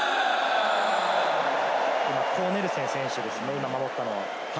コーネルセン選手ですね、守ったのは。